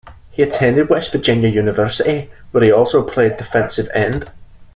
He attended West Virginia University, where he also played defensive end.